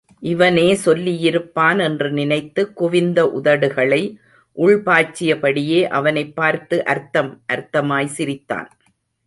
இவனே சொல்லியிருப்பான் என்று நினைத்து, குவிந்த உதடுகளை உள்பாய்ச்சிய படியே அவனைப் பார்த்து அர்த்தம் அர்த்தமாய் சிரித்தான்.